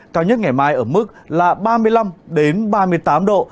cao nhất ngày mai ở mức là ba mươi năm ba mươi tám độ